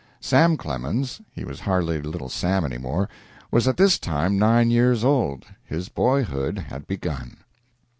Sam Clemens he was hardly "Little Sam" any more was at this time nine years old. His boyhood had begun.